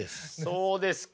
そうですか。